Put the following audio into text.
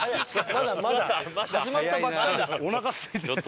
まだまだ始まったばっかりですよ。